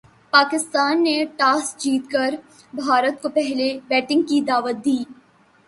پاکستان نے ٹاس جیت کر بھارت کو پہلے بیٹنگ کی دعوت دی۔